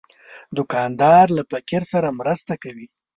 دوکاندار له فقیر سره مرسته کوي.